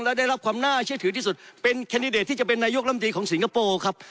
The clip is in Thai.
และได้รับความน่าเชื่อถือที่สุดเป็นแคนดิเดตที่จะเป็นนายกลำตีของสิงคโปร์ครับ